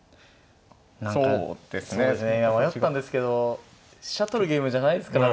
何か迷ったんですけど飛車取るゲームじゃないですからね。